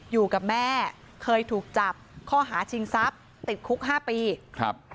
อยู่กับแม่เคยถูกจับข้อหาชิงทรัพย์ติดคุกห้าปีครับ